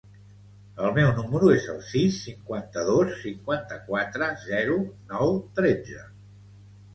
El meu número es el sis, cinquanta-dos, cinquanta-quatre, zero, nou, tretze.